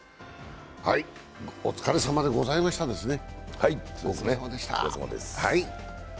お疲れさまでございましたですね。